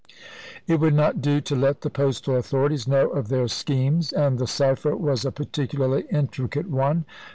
It would not do to let the postal authorities know of their schemes, and the cypher was a particularly intricate one.